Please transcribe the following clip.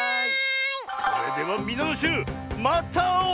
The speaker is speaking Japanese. それではみなのしゅうまたあおう！